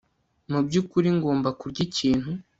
Mu byukuri ngomba kurya ikintu